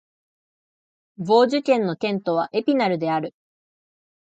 ヴォージュ県の県都はエピナルである